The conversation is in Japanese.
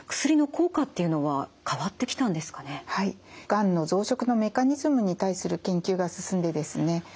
がんの増殖のメカニズムに対する研究が進んでですね